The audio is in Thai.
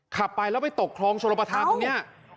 ขับไปแล้วไปตกคลองชนประธานตรงนี้